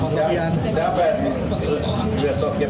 siapa yang berpengalaman